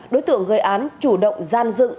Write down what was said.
đối tượng gây án chủ động gian dựng